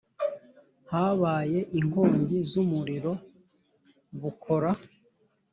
habaye inkongi z’umuriro bukora